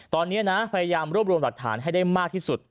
ตอนนี้นะพยายามรวบรวมหลักฐานให้ได้มากที่สุด